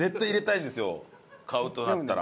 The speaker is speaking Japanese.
買うとなったら。